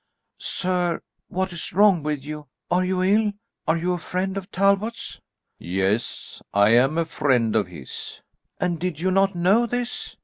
"Sir, what is wrong with you? Are you ill? Are you a friend of Talbot's?" "Yes, I am a friend of his." "And did you not know this?